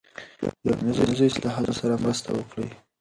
له ټولنیزو اصلاحاتو سره مرسته وکړئ.